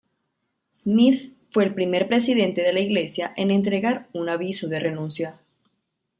Smith fue el primer presidente de la iglesia en entregar un aviso de renuncia.